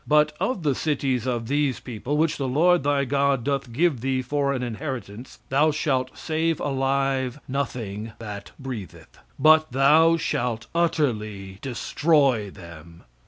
"But of the cities of these people, which the Lord thy God doth give thee for an inheritance, thou shalt save alive nothing that breatheth: "But thou shalt utterly destroy them."